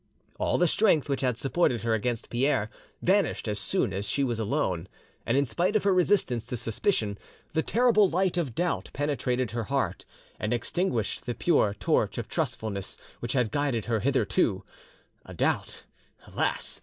All the strength which had supported her against Pierre vanished as soon as she was alone, and in spite of her resistance to suspicion, the terrible light of doubt penetrated her heart, and extinguished the pure torch of trustfulness which had guided her hitherto—a doubt, alas!